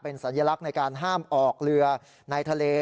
สัญลักษณ์ในการห้ามออกเรือในทะเล